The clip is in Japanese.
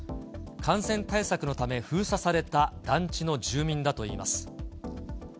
感染対策のため、封鎖された団地の住民だといいます。